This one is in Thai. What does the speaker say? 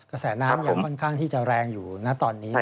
กระแสน้ำยังค่อนข้างที่จะแรงอยู่นะตอนนี้